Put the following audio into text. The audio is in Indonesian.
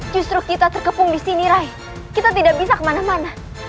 justru kita terkepung di sini rai kita tidak bisa kemana mana